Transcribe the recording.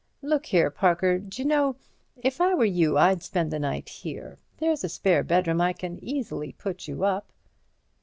Look here, Parker, d'you know, if I were you I'd spend the night here. There's a spare bedroom; I can easily put you up."